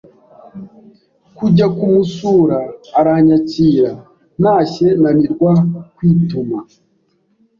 kujya kumusura aranyakira, ntashye nanirwa kwituma